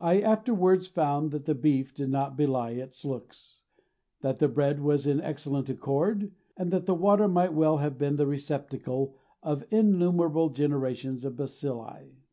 I afterwards found that the beef did not belie its looks, that the bread was in excellent accord, and that the water might well have been the receptacle of innumerable generations of bacilli.